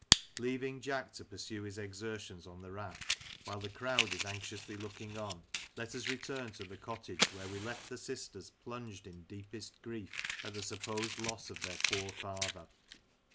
Leaving Jack to pursue his exertions on the raft, while the crowd is anxiously looking on, let us return to the cottage, where we left the sisters plunged in deepest grief at the supposed loss of their poor father.